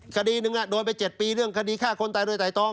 คดีหนึ่งโดนไป๗ปีเรื่องคดีฆ่าคนตายโดยไตรตอง